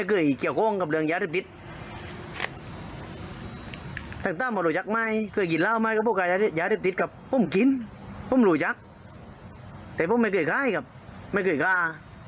เกี่ยวข้องกับเรื่องยาเรียบติดต่างหมอโหลยักษ์ไม่เกี่ยวกับพวกกายยาเรียบติดกับผมกินผมโหลยักษ์แต่ผมไม่เคยกล้ายครับไม่เคยกล้า